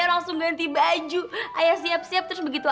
jangan coba coba mendekat